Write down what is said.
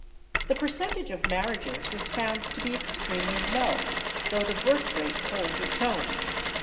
The percentage of marriages was found to be ex tremely low, though the birth rate holds its own.